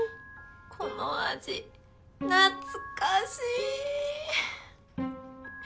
この味懐かしい。